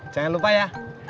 jangan lupa ya